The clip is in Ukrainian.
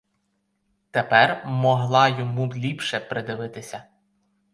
Тепер могла йому ліпше придивитися.